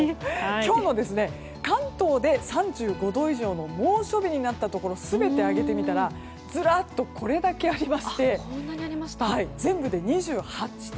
今日も関東で３５度以上の猛暑日になったところ全て挙げてみたらずらっとこれだけありまして全部で２８地点。